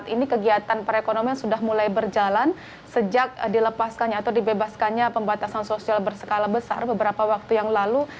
ini kegiatan perekonomian sudah mulai berjalan sejak dilepaskannya atau dibebaskannya pembatasan sosial berskala besar beberapa waktu yang lalu